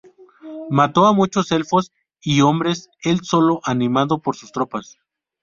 Mató a muchos elfos y hombres el solo animado por sus tropas.